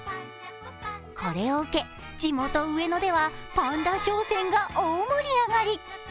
これを受け、地元・上野ではパンダ商戦が大盛り上がり。